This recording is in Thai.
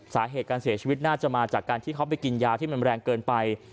สาเหตุการเสียชีวิตน่าจะมาจากการที่เขาไปกินยาที่มันแรงเกินไป